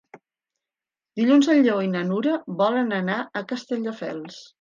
Dilluns en Lleó i na Nura volen anar a Castelldefels.